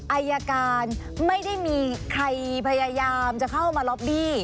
อายการไม่ได้มีใครพยายามจะเข้ามาล็อบบี้